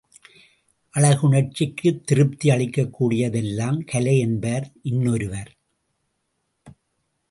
அழகுணர்ச்சிக்குத் திருப்தி அளிக்கக் கூடிய தெல்லாம் கலை என்பார் இன்னொருவர்.